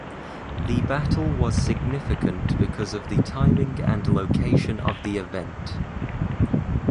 The battle was significant because of the timing and location of the event.